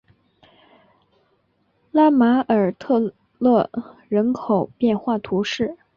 拉马尔特勒人口变化图示